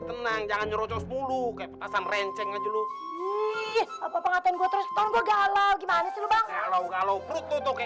tenang jangan rojos mulu kekasan renceng aja lu ih apa ngatain gua terus tol gue